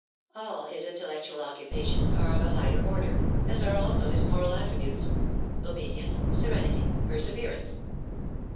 All his intellectual occupations are of a higher order, as are also his moral attributes (obedience, serenity, perseverance).